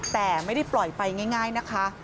แต่ไม่ได้ปล่อยไปง่ายนะคะ